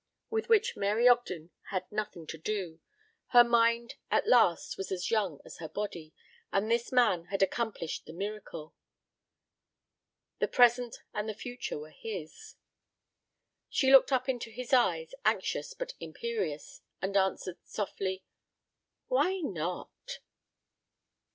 . with which Mary Ogden had nothing to do ... her mind at last was as young as her body, and this man had accomplished the miracle. The present and the future were his. She looked up into his eyes, anxious but imperious, and answered softly: "Why not?"